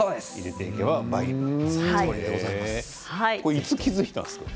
いつ気付いたんですか。